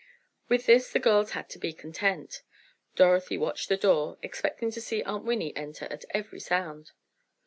With this the girls had to be content. Dorothy watched the door, expecting to see Aunt Winnie enter at every sound.